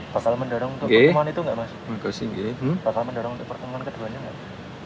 pak salman darang untuk pertemuan keduanya nggak